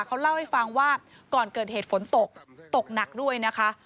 เขาเล่าให้ฟังว่าก่อนเกิดเหตุฝนตกตกหนักด้วยนะคะ